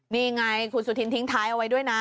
นี่ไงคุณสุธินทิ้งท้ายเอาไว้ด้วยนะ